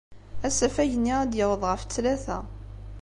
Asafag-nni ad d-yaweḍ ɣef ttlata.